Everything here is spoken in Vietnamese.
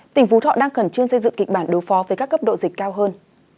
tỉnh phú thọ đang cần chương xây dựng kịch bản đối phó với các cấp độ dịch cao hơn